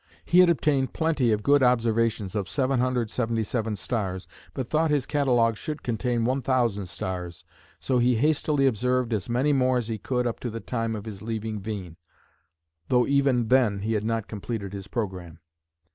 He had obtained plenty of good observations of 777 stars, but thought his catalogue should contain 1000 stars, so he hastily observed as many more as he could up to the time of his leaving Hveen, though even then he had not completed his programme.